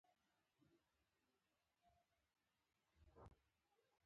د ابدالي د پرمختګ مخه به ونیسي.